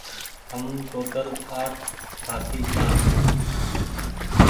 هم ٽوٽل آٺ ڀآتي ڇآن